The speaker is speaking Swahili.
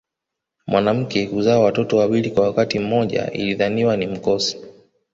Mwanamke kuzaa watoto wawili kwa wakati mmoja ilidhaniwa ni mkosi